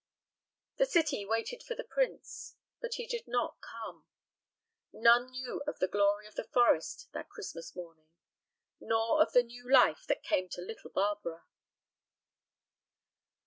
The city waited for the prince, but he did not come. None knew of the glory of the forest that Christmas morning, nor of the new life that came to little Barbara.